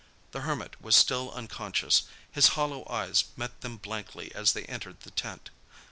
The Hermit was still unconscious. His hollow eyes met them blankly as they entered the tent.